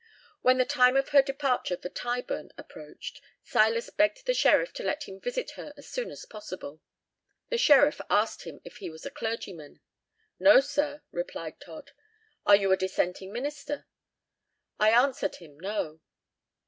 When the time of her departure for Tyburn approached, Silas begged the sheriff to let him visit her as soon as possible. The sheriff asked him if he was a clergyman. "No, sir," replied Told. "Are you a Dissenting minister?" "I answered him 'No.'"